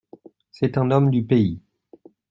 C’est un homme du pays.